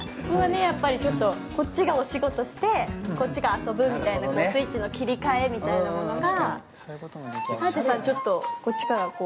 こっちがお仕事してこっちが遊ぶみたいなスイッチの切り替えみたいなものが。